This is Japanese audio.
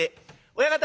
「親方」。